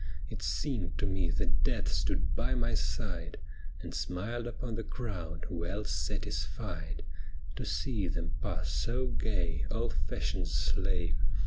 It seemed to me that death stood by my side And smiled upon the crowd, well satisfied To see them pass so gay, all fashion's slave.